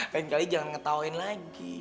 lain kali jangan ngetawain lagi